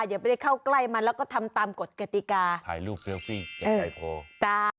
อย่าไม่ได้เข้าใกล้มันแล้วก็ทำตามกฎกติกาถ่ายรูปเซลฟี่อย่าใจพอจ้า